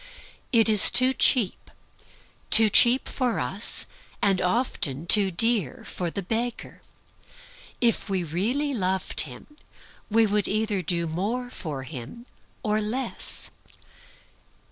It is too cheap too cheap for us, and often too dear for the beggar. If we really loved him we would either do more for him, or less.